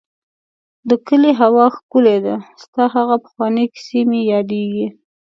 د کلي هوا ښکلې ده ، ستا هغه پخوانی کيسې مې ياديږي.